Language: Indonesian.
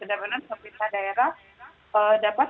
pemerintah daerah dapat